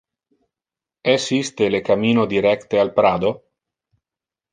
Es iste le cammino directe al Prado?